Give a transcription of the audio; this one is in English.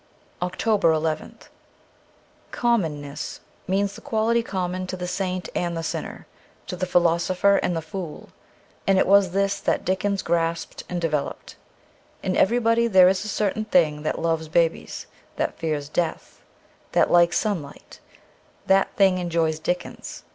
'' 316 OCTOBER nth COMMONNESS means the quality common to the saint and the sinner, to the philosopher and the fool ; and it was this that Dickens grasped and developed. In everybody there is a certain thing that loves babies, that fears death, that likes sunlight : that thing enjoys Dickens.